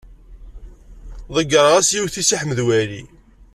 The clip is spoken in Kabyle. Ḍeyyreɣ-as yiwet i Si Ḥmed Waɛli.